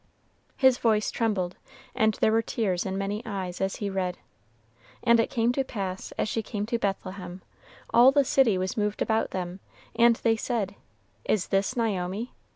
His voice trembled, and there were tears in many eyes as he read, "And it came to pass as she came to Bethlehem, all the city was moved about them; and they said, Is this Naomi?